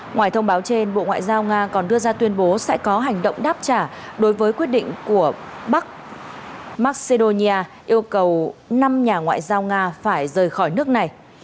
ngoài thông báo trên bộ ngoại giao nga còn đưa ra tuyên bố sẽ có hành động đáp trả đối với quyết định của bắc macedonia yêu cầu năm nhà ngoại giao nga phải rời khỏi nước này